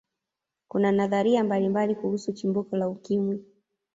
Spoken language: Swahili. kuna nadharia mbalimbali kuhusu chimbuko la ukimwi